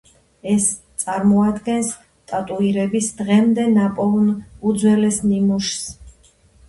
ეს წარმოადგენს ტატუირების დღემდე ნაპოვნ უძველეს ნიმუშს.